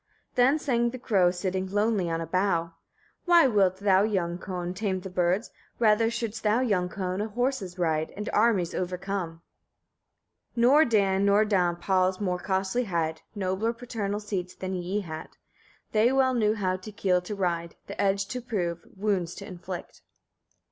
44. Then sang the crow, sitting lonely on a bough! "Why wilt thou, young Kon: tame the birds? rather shouldst thou, young Kon! on horses ride and armies overcome. 45. Nor Dan nor Danp halls more costly had, nobler paternal seats, than ye had. They well knew how the keel to ride, the edge to prove, wounds to inflict.